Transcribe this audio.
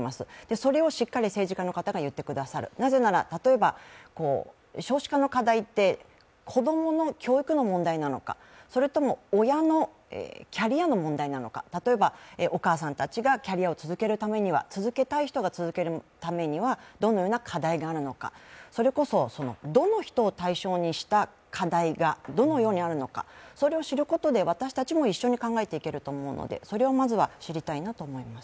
それをしっかり政治家の方が言ってくださる、なぜなら例えば、少子化の課題って子供の教育の問題なのかそれとも親のキャリアの問題なのか、例えばお母さんたちがキャリアを続けるためには、続けたい人が続けるためにはどのような課題があるのか、それこそ、どの人を対象にした課題がどのようにあるのかそれを知ることで、私たちも一緒に考えていけると思うので、それをまずは知りたいなと思います。